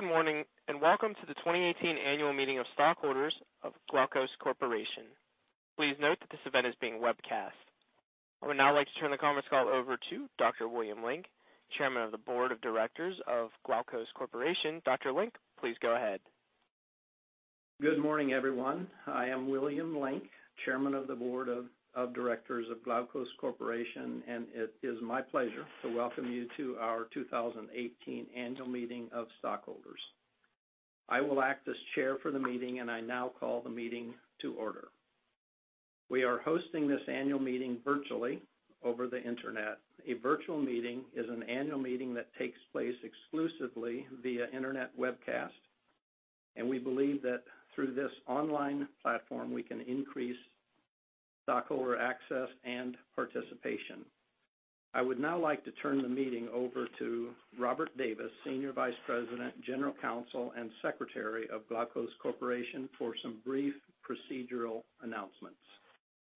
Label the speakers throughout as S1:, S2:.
S1: Good morning, welcome to the 2018 annual meeting of stockholders of Glaukos Corporation. Please note that this event is being webcast. I would now like to turn the conference call over to Dr. William Link, Chairman of the Board of Directors of Glaukos Corporation. Dr. Link, please go ahead.
S2: Good morning, everyone. I am William Link, Chairman of the Board of Directors of Glaukos Corporation. It is my pleasure to welcome you to our 2018 annual meeting of stockholders. I will act as chair for the meeting. I now call the meeting to order. We are hosting this annual meeting virtually over the internet. A virtual meeting is an annual meeting that takes place exclusively via internet webcast. We believe that through this online platform, we can increase stockholder access and participation. I would now like to turn the meeting over to Robert Davis, Senior Vice President, General Counsel, and Secretary of Glaukos Corporation for some brief procedural announcements.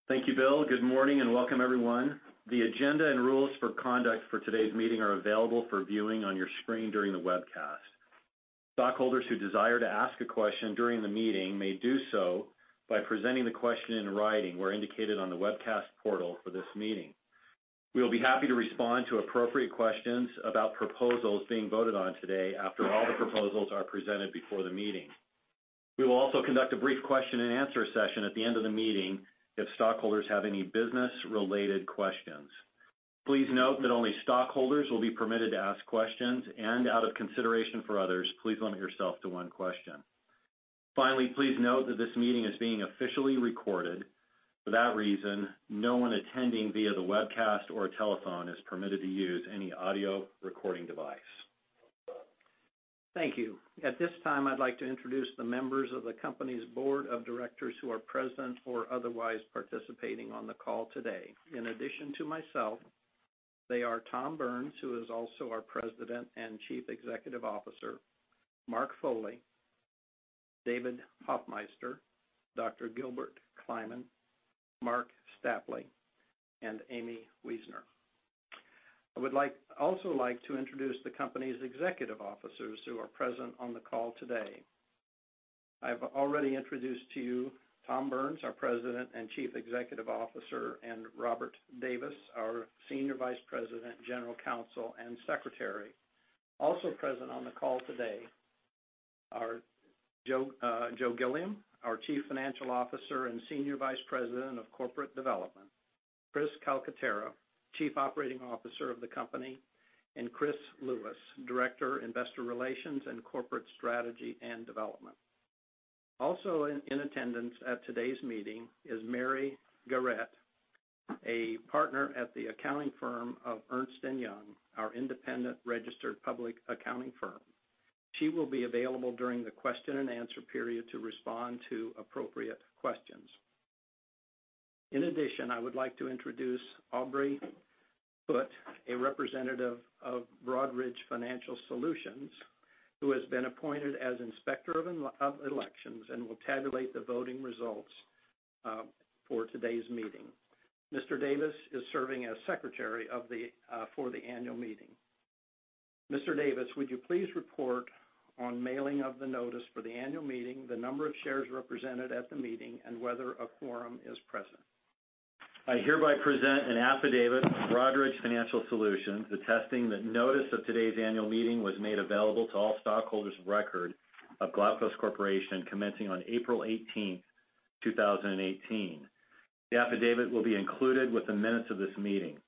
S3: Thank you, Bill. Good morning, welcome everyone. The agenda and rules for conduct for today's meeting are available for viewing on your screen during the webcast. Stockholders who desire to ask a question during the meeting may do so by presenting the question in writing where indicated on the webcast portal for this meeting. We'll be happy to respond to appropriate questions about proposals being voted on today after all the proposals are presented before the meeting. We will also conduct a brief question and answer session at the end of the meeting if stockholders have any business-related questions. Please note that only stockholders will be permitted to ask questions. Out of consideration for others, please limit yourself to one question. Finally, please note that this meeting is being officially recorded. For that reason, no one attending via the webcast or telephone is permitted to use any audio recording device.
S2: Thank you. At this time, I'd like to introduce the members of the company's board of directors who are present or otherwise participating on the call today. In addition to myself, they are Tom Burns, who is also our President and Chief Executive Officer, Mark Foley, David Hofmeister, Dr. Gilbert Kleiman, Mark Stapley, and Amy Wiesner. I would also like to introduce the company's executive officers who are present on the call today. I've already introduced to you Tom Burns, our President and Chief Executive Officer, and Robert Davis, our Senior Vice President, General Counsel, and Secretary. Also present on the call today are Joe Gilliam, our Chief Financial Officer and Senior Vice President of Corporate Development, Chris Calcaterra, Chief Operating Officer of the company, and Chris Lewis, Director, Investor Relations and Corporate Strategy and Development. Also in attendance at today's meeting is Mary Garrett, a partner at the accounting firm of Ernst & Young, our independent registered public accounting firm. She will be available during the question and answer period to respond to appropriate questions. In addition, I would like to introduce Aubrey Foote, a representative of Broadridge Financial Solutions, who has been appointed as Inspector of Elections and will tabulate the voting results for today's meeting. Mr. Davis is serving as Secretary for the annual meeting. Mr. Davis, would you please report on mailing of the notice for the annual meeting, the number of shares represented at the meeting, and whether a quorum is present?
S3: I hereby present an affidavit from Broadridge Financial Solutions, attesting that notice of today's annual meeting was made available to all stockholders of record of Glaukos Corporation commencing on April 18th, 2018. The affidavit will be included with the minutes of this meeting.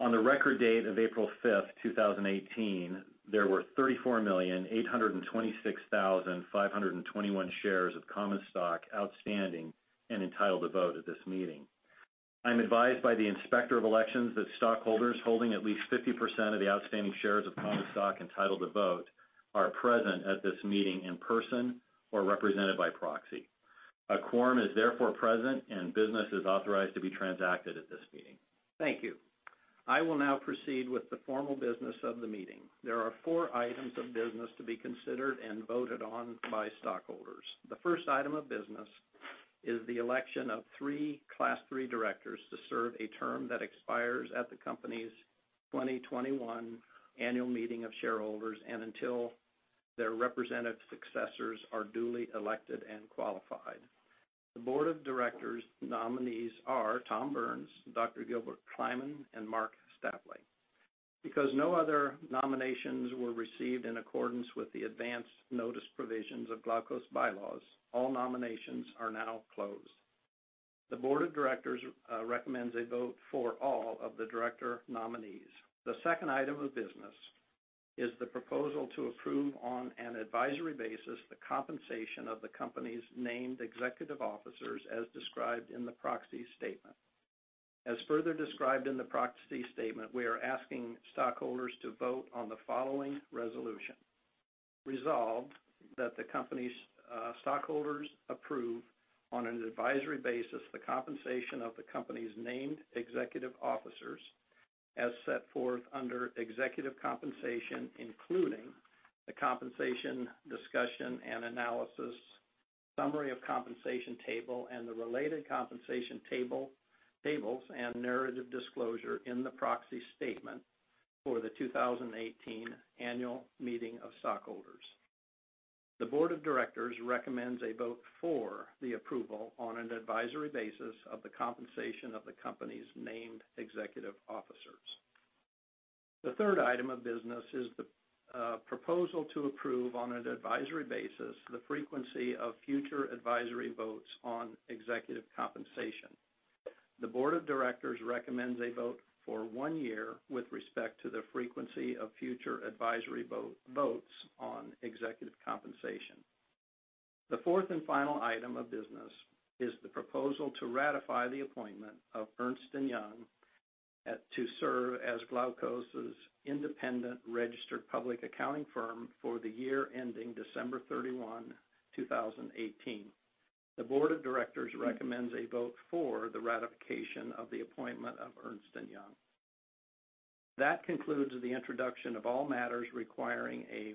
S3: On the record date of April 5th, 2018, there were 34,826,521 shares of common stock outstanding and entitled to vote at this meeting. I'm advised by the Inspector of Elections that stockholders holding at least 50% of the outstanding shares of common stock entitled to vote are present at this meeting in person or represented by proxy. A quorum is therefore present and business is authorized to be transacted at this meeting.
S2: Thank you. I will now proceed with the formal business of the meeting. There are four items of business to be considered and voted on by stockholders. The first item of business is the election of three Class III directors to serve a term that expires at the company's 2021 annual meeting of shareholders and until their representative successors are duly elected and qualified. The Board of Directors nominees are Tom Burns, Dr. Gilbert Kleiman, and Mark Stapley. Because no other nominations were received in accordance with the advance notice provisions of Glaukos' bylaws, all nominations are now closed. The Board of Directors recommends a vote for all of the director nominees. The second item of business is the proposal to approve on an advisory basis the compensation of the company's named executive officers as described in the proxy statement. As further described in the proxy statement, we are asking stockholders to vote on the following resolution. Resolved that the company's stockholders approve, on an advisory basis, the compensation of the company's named executive officers as set forth under Executive Compensation, including the Compensation Discussion and Analysis Summary of compensation table and the related compensation tables and narrative disclosure in the proxy statement for the 2018 annual meeting of stockholders. The board of directors recommends a vote for the approval on an advisory basis of the compensation of the company's named executive officers. The third item of business is the proposal to approve, on an advisory basis, the frequency of future advisory votes on executive compensation. The board of directors recommends a vote for one year with respect to the frequency of future advisory votes on executive compensation. The fourth and final item of business is the proposal to ratify the appointment of Ernst & Young to serve as Glaukos' independent registered public accounting firm for the year ending December 31, 2018. The board of directors recommends a vote for the ratification of the appointment of Ernst & Young. That concludes the introduction of all matters requiring a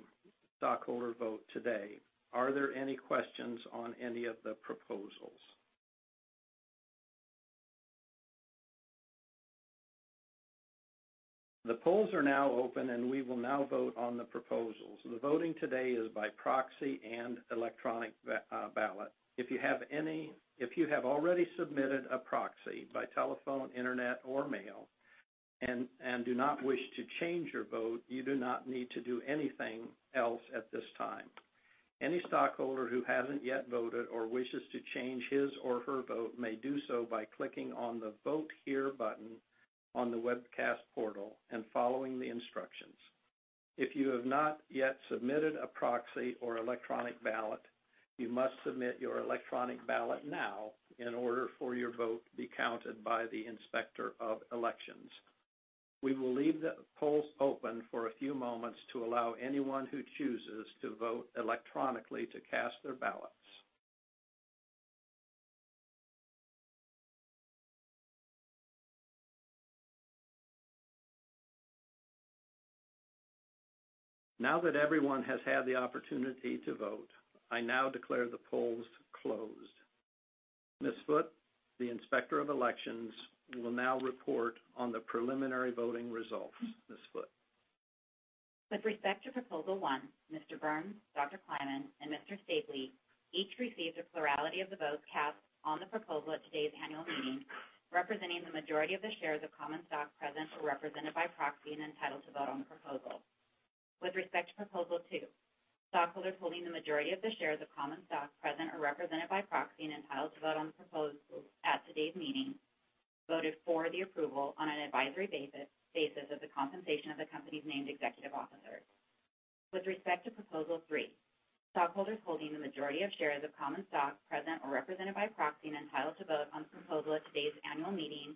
S2: stockholder vote today. Are there any questions on any of the proposals? The polls are now open, and we will now vote on the proposals. The voting today is by proxy and electronic ballot. If you have already submitted a proxy by telephone, internet, or mail and do not wish to change your vote, you do not need to do anything else at this time. Any stockholder who hasn't yet voted or wishes to change his or her vote may do so by clicking on the Vote Here button on the webcast portal and following the instructions. If you have not yet submitted a proxy or electronic ballot, you must submit your electronic ballot now in order for your vote to be counted by the Inspector of Elections. We will leave the polls open for a few moments to allow anyone who chooses to vote electronically to cast their ballots. Now that everyone has had the opportunity to vote, I now declare the polls closed. Ms. Foote, the Inspector of Elections, will now report on the preliminary voting results. Ms. Foote.
S4: With respect to Proposal One, Mr. Burns, Dr. Kleiman, and Mr. Stapley each received a plurality of the votes cast on the proposal at today's annual meeting, representing the majority of the shares of common stock present or represented by proxy and entitled to vote on the proposal. With respect to Proposal Two, stockholders holding the majority of the shares of common stock present or represented by proxy and entitled to vote on the proposal at today's meeting voted for the approval on an advisory basis of the compensation of the company's named executive officers. With respect to Proposal Three, stockholders holding the majority of shares of common stock present or represented by proxy and entitled to vote on the proposal at today's annual meeting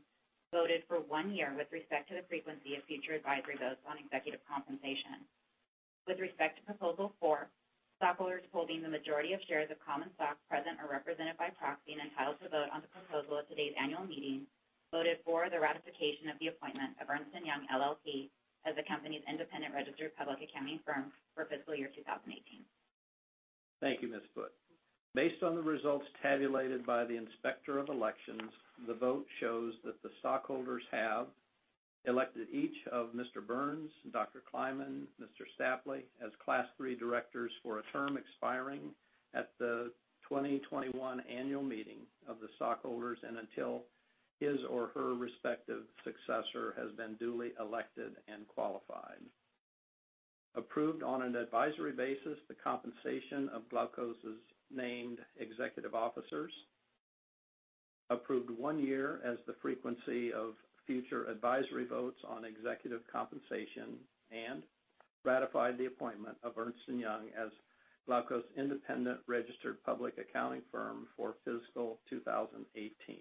S4: voted for one year with respect to the frequency of future advisory votes on executive compensation. With respect to Proposal Four, stockholders holding the majority of shares of common stock present or represented by proxy and entitled to vote on the proposal at today's annual meeting voted for the ratification of the appointment of Ernst & Young LLP as the company's independent registered public accounting firm for fiscal year 2018.
S2: Thank you, Ms. Foote. Based on the results tabulated by the Inspector of Elections, the vote shows that the stockholders have elected each of Mr. Burns, Dr. Kleiman, Mr. Stapley as Class III directors for a term expiring at the 2021 annual meeting of the stockholders and until his or her respective successor has been duly elected and qualified. Approved on an advisory basis the compensation of Glaukos' named executive officers, approved one year as the frequency of future advisory votes on executive compensation, and ratified the appointment of Ernst & Young as Glaukos' independent registered public accounting firm for fiscal 2018.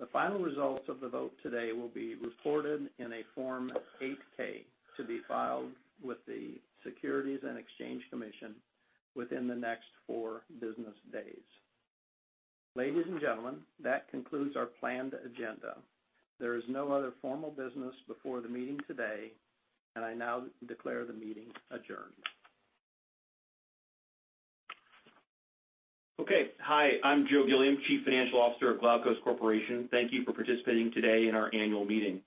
S2: The final results of the vote today will be reported in a Form 8-K to be filed with the Securities and Exchange Commission within the next four business days. Ladies and gentlemen, that concludes our planned agenda. There is no other formal business before the meeting today. I now declare the meeting adjourned.
S5: Okay. Hi, I'm Joe Gilliam, Chief Financial Officer of Glaukos Corporation. Thank you for participating today in our annual meeting.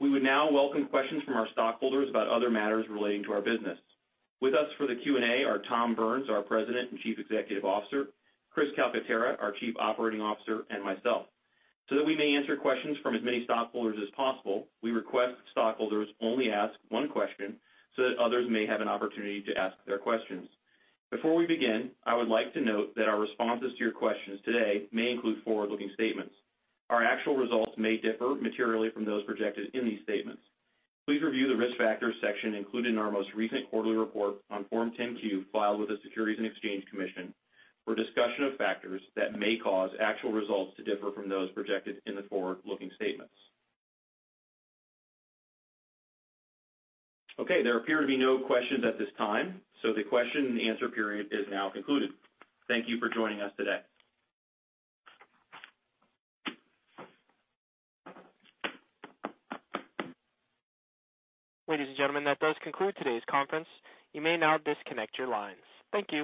S5: We would now welcome questions from our stockholders about other matters relating to our business. With us for the Q&A are Tom Burns, our President and Chief Executive Officer, Chris Calcaterra, our Chief Operating Officer, and myself. That we may answer questions from as many stockholders as possible, we request stockholders only ask one question so that others may have an opportunity to ask their questions. Before we begin, I would like to note that our responses to your questions today may include forward-looking statements. Our actual results may differ materially from those projected in these statements. Please review the Risk Factors section included in our most recent quarterly report on Form 10-Q filed with the Securities and Exchange Commission for a discussion of factors that may cause actual results to differ from those projected in the forward-looking statements. Okay, there appear to be no questions at this time, so the question and answer period is now concluded. Thank you for joining us today.
S1: Ladies and gentlemen, that does conclude today's conference. You may now disconnect your lines. Thank you.